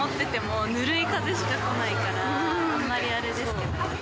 あんまりあれですけど。